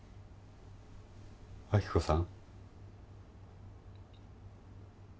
亜希子さん